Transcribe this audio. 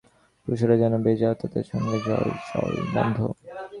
পুরুষরা যেন বেজাত, তাদের সঙ্গে জলচল বন্ধ।